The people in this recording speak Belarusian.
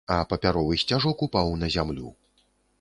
А папяровы сцяжок упаў на зямлю.